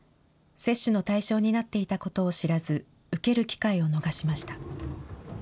接種の対象になっていたことを知らず、受ける機会を逃しました。